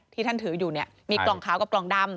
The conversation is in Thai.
ที่ท่านถืออยู่เนี่ยมีกล่องขาวกับกล่องดำ